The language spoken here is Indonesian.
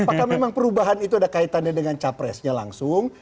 apakah memang perubahan itu ada kaitannya dengan capresnya langsung